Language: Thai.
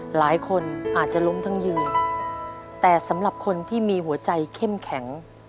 หลายคนอาจจะล้มทั้งยืนแต่สำหรับคนที่มีหัวใจเข้มแข็ง